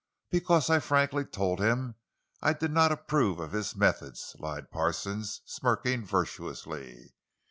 "Because I frankly told him I did not approve of his methods," lied Parsons, smirking virtuously.